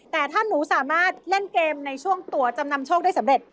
แต่ถ้าหนูสามารถเล่นเกมในช่วงตัวจำนำโชคได้สำเร็จ